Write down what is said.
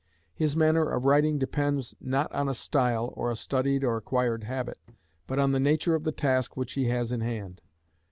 His manner of writing depends, not on a style, or a studied or acquired habit, but on the nature of the task which he has in hand.